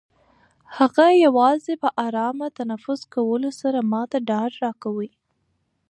هغه یوازې په ارامه تنفس کولو سره ما ته ډاډ راکوي.